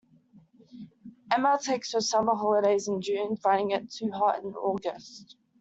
Emma takes her summer holidays in June, finding it too hot in August